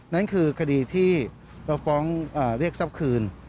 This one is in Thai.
นั่นคือคดีที่เราฟ้องเรียกทรัพย์คืน